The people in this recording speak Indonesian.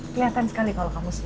keliatan sekali kalau kamu nonton